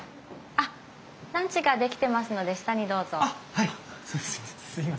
あっはい。